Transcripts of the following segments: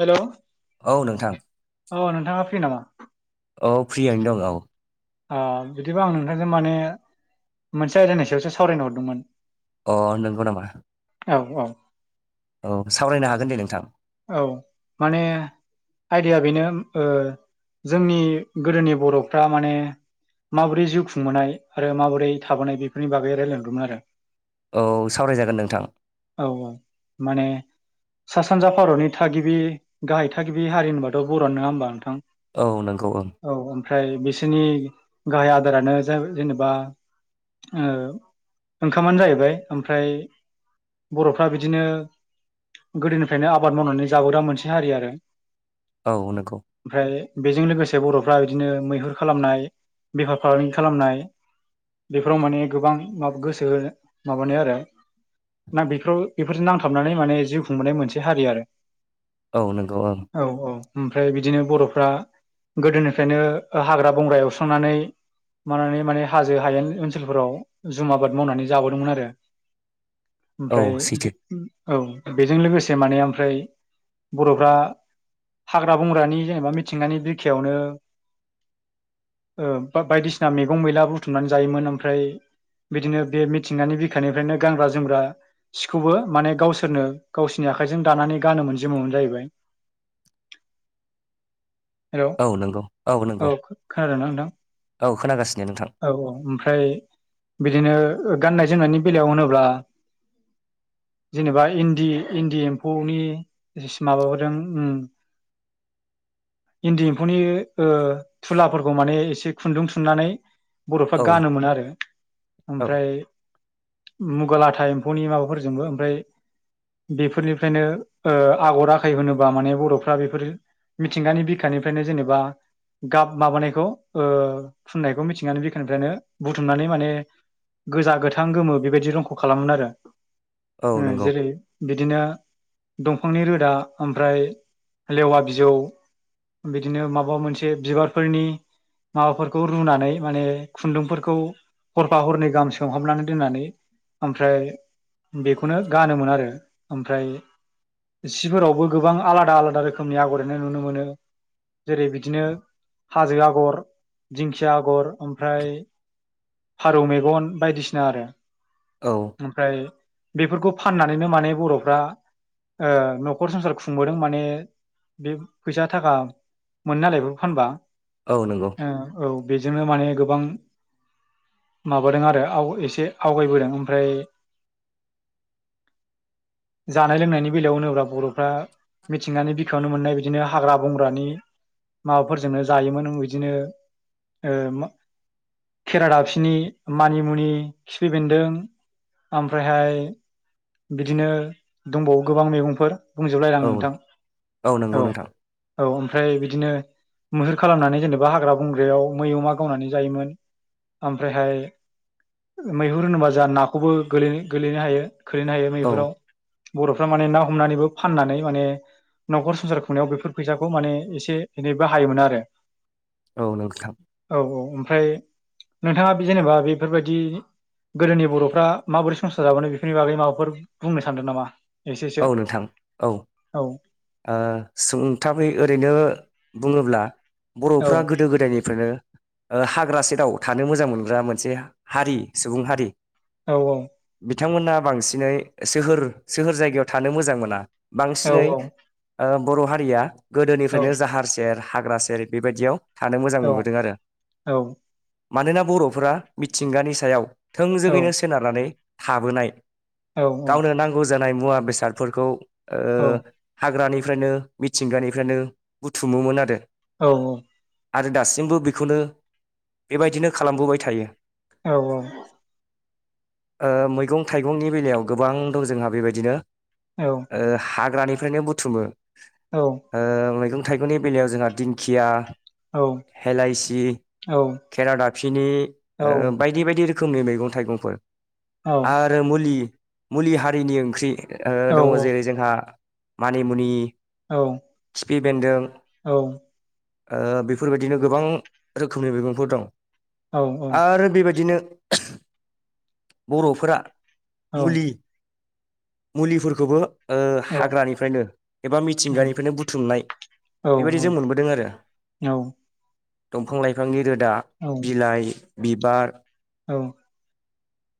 Hello औ नोंथां अ नोंथाङा फ्रि नामा औ फ्रियनो दं औ बिदिबा आं नोंथांजों माने मोनसे आयदानि सायावसो सावरायनो हरदोंमोन अ नंगौ नामा औ औ औ सावरायनो हागोन दे नोंथां औ माने रिया बेनो जोंनि गोदोनि बर'फ्रा माने माबोरै जिउ खुंबोनाय आरो माबोरै थाबोनाय बेफोरनि बागै रायजलायदोंमोन आरो औ सावरायजागोन नोंथां औ औ माने सा सानजा भारतनि थागिबि गाहाय थागिबि हारि होनबाथ बर' नङा होनबा नोंथां औ नंगौ ओं औ ओमफ्राय बिसोरनि गाहाय आदारानो जेनेबा ओंखामानो जाहैबाय ओमफ्राय बर'फ्रा बिदिनो गोदोनिफ्रायनो आबाद मावनानै जाबोोग्रा मोनसे हारि आरो औ नंगौ ओमफ्राय बेजों लोगोसे बर'फ्रा बिदिनो मैहुर खालामनाय बेफार फालांगि खालामनाय बेफोराव माने गोबां गोसो माबानाय आरो ना बेफोराव बेफोरजों नांथाबनानै माने जिउ खुंबोनाय मोनसे हारि आरो औ नंगौ औ ओमफ्राय बिदिनो बर'फ्रा गोदोनिफ्रायनो हाग्रा बंग्रा एवस्रांनानै मानानै माने हाजो हायेन ओनसोलफोराव जुम आबाद मावनानै जाबोदोंमोन आरो औ ओमफ्राय सैथो औ बेजों लोगोसे माने ओमफ्राय बर'फ्रा हाग्रा बंग्रानि जेनेबा मिथिंगानि बिखायावनो बायदिसिना मैगं मैला बुथुमनानै जायोमोन ओमफ्राय बिदिनो बे मिथिंगानि बिखानिफ्रायनो गानग्रा जोमग्रा सिखौबो माने गावसोरनो गावसोरनि आखायजों दानानै गानोम मोन [unintelligible] जाहैबाय औ नंगौ औ नंगौ खोनादों ना नोंथां औ खोनागासिनो नोंथां औ औ ओमफ्राय बिदिनो गाननाय जोमनायनि बेलायाव होनोब्ला जेनेबा इन्दि इन्दि एम्फौनि माब होदों इन्दि एम्फौनि थुलाफोरखौ माने एसे खुन्दुं थुननानै बर'फ्रा औ गानोमोन आरो औ ओमफ्राय मुगलाथा एम्फौनि माबाफोरजोंबो ओमफ्राय बेफोरनिफ्रायनो आगर आखाय होनोबा माने बर'फ्रा बेफोर मिथिंगानि बिखानिफ्रायनो जेनेबा गाब माबानायखौ ओ फुननायखौ मिथिंगानि बिखानिफ्रायनो बुथुमनानै माने गोजा गोथां गोमो बेबायदि रंखौ खालामोमोन आरो औ नंगौ जेरै बिदिनो दंफांनि रोदा ओमफ्राय लेवा बिजौ बिदिनो माबा मोनसे बिबारफोरनि माबाफोरखौ रुनानै माने खुन्दुंफोरखौ हरफा हरननि गाहाम सोंहाबनानै दोननानै ओमफ्राय बेखौनो गानोमोन आरो ओमफ्राय सिफोरावबो गोबां आलादा आलादा रोखोमनि आगर एरनाय नुनो मोनो जेरै बिदिनो हाजो आगर दिंखिया आगर ओमफ्राय फारौ मेगन बायदिसिना आरो औ ओमफ्राय बेफोरखौ फाननानैनो माने बर'फ्रा ओ न'खर संसार खुंबोदों माने बे फैसा थाखा मोनो नालाय बेखौ फानबा औ नंगौ ओ औ बेजोंनो माने गोबां माबादों आरो आव एसे आवगायबोदों ओमफ्राय जानाय लोंनायनि बेलायाव होनोब्ला बर'फ्रा मिथिंगानि बिखायावनो मोननाय बिदिनो हाग्रा बंग्रानि माबाफोरजोंनो जायोमोन बिदिनो ओ मा खेरादाबसिनि, मानिमुनि, खिफि बेन्दों आमफ्रायहाय बिदिनो दंबावो गोबां मैगंफोर। बुंजोब लायला आं औ नोंथां नंगौ औ नोंथां औ। फ्राय बिदिनो मैहुर खालामनानै जेनेबा हाग्रा बंग्रायाव मै अमा गावनानै जायोमोन। ओमफ्रायहाय मैहुर होनोबा जोहा नाखौबोै गोलै गोलैनो हायो। खोलैनो हायो औ मैहुराव बर'फ्रा माने ना हमनानैबो फाननानै माने नखर संसार खुंनायाव बेफोर फैसाखौ माने एसे एनैबो हायोमोन आरो। औ नोंथां। फ्राय नोंथाङा जेनेबा बेफोरबायदि गोदोनि बर'फ्रा माबोरै संसार जाबोनो बे सोरनि बागै माबाफोर बुंनो सानदों नामा? एसेसो औ नोंथां औ। ओ सुंथाबै ओरैनो बुङोब्ला औ बर'फ्रा गोदो गोदायनिफ्रायनो ओ हाग्रासेराव थानो मोजां मोनग्रा मोनसे हारि सुबुं हारि। औ औ। बिथांमोनहा बांसिनै सोहोर सोहोर जायगायाव थानो मोजां मोना। औ बांसिनै ओ बर' हारिया औ गोदोनिफ्रायनो जाहार सेर हाग्रा सेर बेबायदियाव थानो मोजां औ मोनबोदों आरो। औ मानोना बर'फोरा मिथिंगानि सायाव औ थोंजोङैनो सोनारनानै थाबोनाय औ गावनो नांगौ जानाय मुवा बेसादफोरखौ ओ हाग्रानि फ्रायनो मिथिंगानिफ्रायनो बुथुमोमोन आरो। औ औ। आरो दासिमबो बेखौनो बेबायदिनो खालामबोबाय थायो। औ औ। ओ मैगं थाइगंनि बेलायाव गोबां दं जोंहा बेबायदिनो ओ हाग्रानिफ्रायनो बुथुमो ओ मैगं थाइगंनि बेलायाव जोंहा दिंखिया औ हेलइसि केेराडाफिनि ओ बायदि बायदि रो खोमनि मैगं थाइगंफोर आरो मुलि मुलि हारिनि ओंख्रि ओ दङ जेरै जोंहा मानिमुनि औ खिफि बेन्दों औ। ओ बेफोरबायदिनो गोबां रोखोमनि मैगंफोर दं आरो बेबायदिनो बर'फोरा मुलि मुलिफोरखौबो ओ हाग्रानिफ्रायनो एबा मिथिंगानिफ्रायनो बुथुमनाय बेबायदि जों मोनबोदों आरो। औ दंफां लाइफांनि रोदा बिलाइ बिबार औ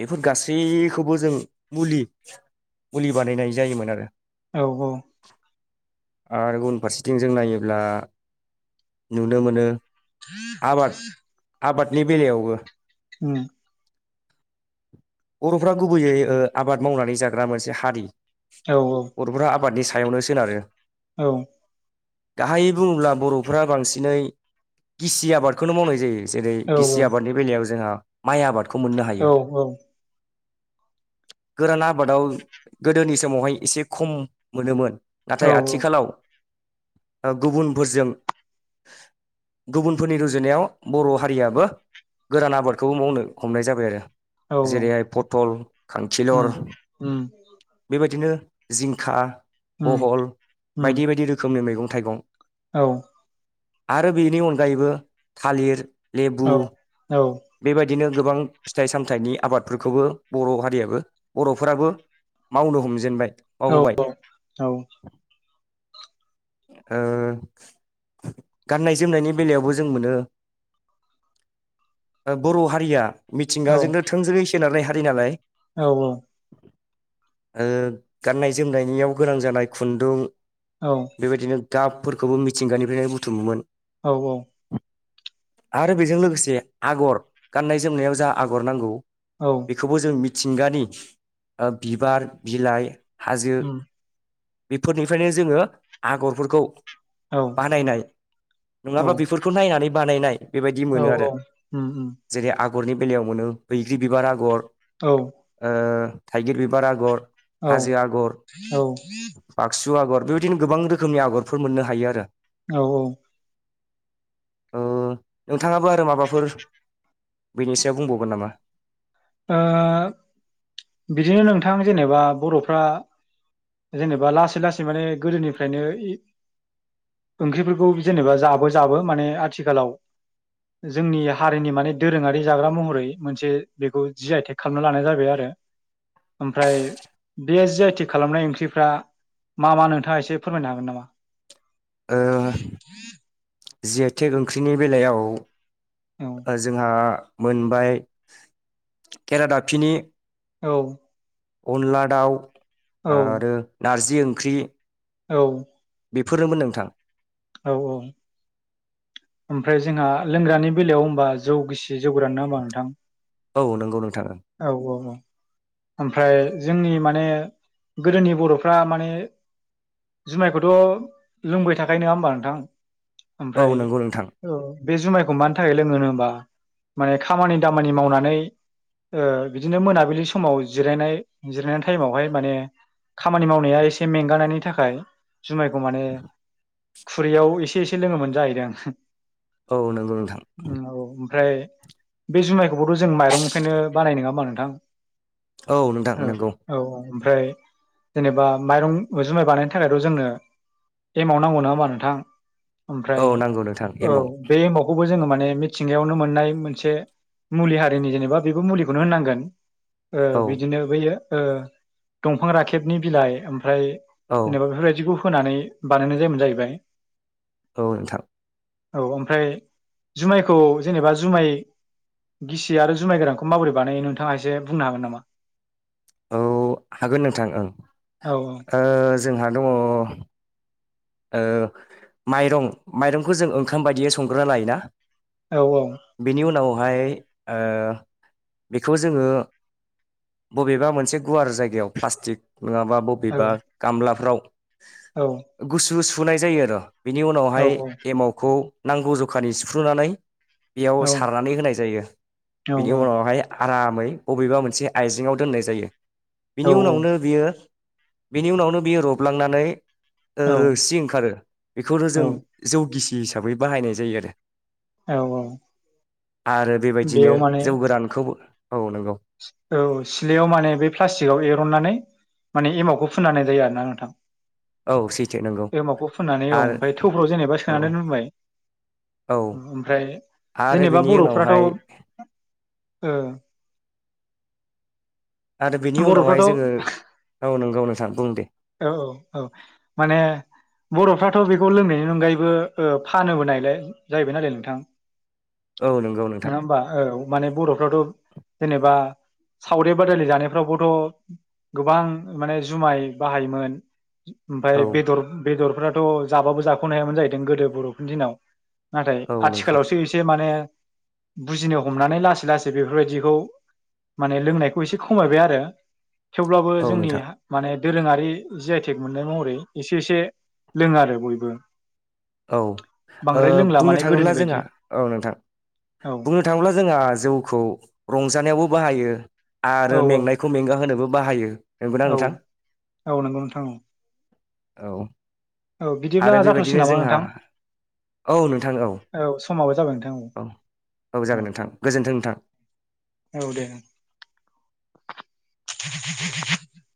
बेफोर गासैखौबो जों मुलि मुलि बानायनाय जायोमोन आरो। औ औ। आरो उन फारसेथिं जों नायोब्ला नुनो मोनो आबाद [inaudible] आबादनि बेलायावबो होम बर'फ्रा गुबैयै ओ आबाद मावनानै जाग्रा मोनसे हारि बर'फ्रा आबादनि सा आयावनो सोनारो औ गाहायै बुङोब्ला बर'फोरा बांसिनै गिसि आबादखौनो मावनाय जायो जेरै गिसि आबादनि बेलायाव जोंहा माइ आबाद औ औ गोरान आबादाव गोदोनि समावहाय एसे खम मोनोमोन नाथाय आथिखालाव गुबुनफोरजों [inaudible] गुबुनफोरनि रुजुनायाव बर' हारियाबो गोदान आबादखौबो मावनो हमनाय जाबाय आरो जेरैहाय पथल खांखिलर बेबायदिनो जिंखा बहल बायदि औ बायदि रोखोमनि मैगं थाइगं औ आरो बेनि अनगायैबो थालिर औ लेबु बेबायदि नो गोबां फिथाइ सामथाइनि आबादफोरखौबो बर' हारियाबो बर'फोराबो मावनो हमजेनबाय औ मावबाय औ औ ओ गाननाय जोमनायनि बेलायावबो जों मोनो बर' हारिया मिथिंगाजोंनो थोंजोङै सोनारनाय हारि नालाय औ औ ओ गाननाय जोमनायनियाव गोनां जानाय खुन्दुं बेबायदिनो गाबफोरखौबो मिथिंगानिफ्रायनो बुथुमोमोन औ औ आरो बेजों लोगोसे आगर गाननाय जोमनायाव जा आगर नांगौ बेखौबो जों मिथिंगानि ओ बिबार, बिलाइ हाजो बेफोरनिफ्रायनो जोङो आगरफोरखौ बानायनाय नङाबा बेफोरखौ नायनानै बानायनाय बेबायदि मोनो आरो औ जेरै आ गरनि बेलायाव मोनो बैग्रि बिबार आगर औ ओ थाइगिर बिबार आगर हाजो आगर औ बाक सु आगर बेबायदिनो गोबां रोखोमनि आगरफोर मोननो हायो आरो औ औ ओ नोंथाङाबो आरो माबाफोर बेनि सायाव बुंबावगोन नामा? ओ बिदिनो नोंथां जेनेबा बर'फ्रा जेनेबा लासै लासै माने गोदोनिफ्रायनो इ ओंख्रिफोरखौ जेनेबा जाबो जाबो माने आथिखालाव जोंनि हारिनि माने दोरोङारि जाग्रा महरै मोनसे बेखौ जि आइटेक खालामना लानाय जाबाय आरो। ओमफ्राय बेस जि आइ टेग खालामनाय ओंख्रिफ्रा मा मा नोंथाङा एसे फोरमायनो हागोन नामा? ओ जि आइ टेग ओंख्रिनि बेलायाव औ जोंहा मोनबाय केरादाफिनि औ अनला दाउ औ आरो नारजि ओंख्रि औ बेफोरनोमोन नोंथां औ औ ओमफ्राय जोंहा लोंग्रानि बेलायाव ओमबा जौ गिसि, जौगोराना ओमबा नोंथां औ नंगौ नों औ औ औ ओमफ्राय जोंनि माने गोदोनि बर'फ्रा माने जुमायखौथ' लोंबाय थाखायो नङा ओमबा नोंथां औ ओमफ्राय नंगौ नोंथां औ बे जुमायखौ मानि थाखाय लोङोनो होमबा माने खामानि दामानि मावनानै ओ बिदिनो मोनाबिलि समाव जिरायनाय जिरायनाय टाइमावहाय माने खामानि मावनाया एसे मेंगानायनि थाखाय जुमायखौ माने खुरैयाव एसे एसे लोङोमोन जाहैदों औ नंगौ नोंथां औ ओमफ्राय बे जुमायखौबोथ' जों माइरंनिखायनो बानाय नङा ओमबा नोंथां औ नोंथां नंगौ। ओमफ्राय जेनेबा माइरं जुमाइ बानायनो थाखायथ' जोंनो एमाव नांगौ नङा ओमबा नोंथां ओमफ्राय औ नांगौ नोंथां औ एमाव बे एमावखौ बो जोङो माने मिथिंगायावनो मोननाय मोनसे मुलि हारिनि जेनेबा बेबो मुलिखौनो होननांगोन ओ औ बिदिनो बैयो दंफां राखेबनि बिलाइ ओमफ्राय औ जेनेबा बेफोरबायदिखौ होनानै बानायनाय जायोमोन जाहैबाय औ नोंथां औ ओमफ्राय जुमायखौ जेनेबा जुमाय गिसि आरो जुमाय गोरानखौ माबोरै बानायो नोंथाङा एसे बुंनो हागोन नामा? औ हागोन नोंथां ओं औ ओ जोंहा दङ ओ माइरं माइरंखौ जों ओंखाम बायदियै संग्रोना लायोना? औ औ ओमफाय बेखौ जोङो बबेबा मोनसे गुवार जायगायाव प्लास्टिक नङाबा औ बबेबा गामलाफ्राव औ गुसु सुहुनाय जायो आरो बिनि औ उनावहाय औ एमावखौ नांगौ जखानि सिफ्रुनानै बेयाव सारनानै होनाय जायो औ बेनि उनावहाय आरामै बबेबा मोनसे आइजेेंआव दोननाय जायो औ बिनि उनावनो बियो बिनि उनावनो बियो रबलांनानै औ रोसि ओंखारो बेखौनो औ जों जौगिसि हिसाबै बाहायनाय जायो आरो औ औ आरो बेबायदिनो बेयाव माने जौ गोरानखौ औ सिलायाव माने बे प्लास्टिकआव एरननानै माने एमाव खौ फुननानै जायो आरोना नोंथां औ सैथो नंगौ बेमाखौ फुननानै औ आरो ओमफ्राय थौफ्राव जेनेबा औ सोनानै रुबबाय औ ओमफ्राय आरो जेनेबा बिनि बर'फोराथ उनावहाय ओं आरो बिनि उनावहाय बर'फ्राथ' औ जोङो गाव नों गावनो सां बुं दे औ औ औ माने बर'फ्राथ बेखौ लोंनायनि अनगायैबो फानोबो नायलाय जाहैबाय नालाय नोंथां औ नंगौ नोंथां नङा होमबा औ माने बर'फोराथ जेनेबा सावरि बादायलि जानायफ्रावबोथ गोबां माने जुमाय बाहायोमोन औ ओमफ्राय बे बे फोरथ' जाबाबो जाख'नो हायामोन जाहैदों गोदो बर'फोरनि दिनाव नाथाय औ नंगौ आथिखालावसो एसे माने बुजिनो हमनानै लासै लासै बेफोरबायदिखौ माने लोंनायखौ एसे खमायबाय आरो थेवब्लाबो औ जोंनि नोंथां माने दोरोङारि जि आइटेक मोननाय महरै एसे एसे लोङो आरो बयबो। औ ओ बांद्राय लोंला बुंनो माने थाङोब्ला गोदोनि जोंहा बायदि औ नोंथां। औ बुंनो थाङोब्ला जोंहा जौखौ रंजानायावबो बाहायो। औ आरो औ मेंनायखौ मेंगा होनोबो बाहायो। नंगौना औ नोंथां औ नोंगौ नोंथां औ। औ औ बिदिब्ला आरो जाथ' बेबायदिनो सिगोन नामा? जोंहा नोंथां औ नोंथां औ समाबो जाबाय नोंथां औ औ जागोन नोंथां गोजोन्थों नोंथां। औ दे [unintelligible]